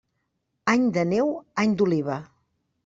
Any de neu, any d'oliva.